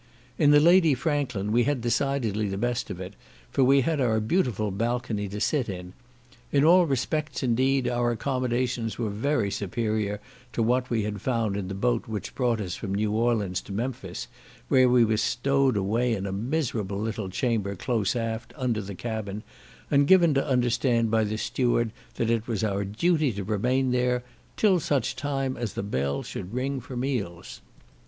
In the Lady Franklin we had decidedly the best of it, for we had our beautiful balcony to sit in. In all respects, indeed, our accommodations were very superior to what we had found in the boat which brought us from New Orleans to Memphis, where we were stowed away in a miserable little chamber close aft, under the cabin, and given to understand by the steward, that it was our duty there to remain "till such time as the bell should ring for meals."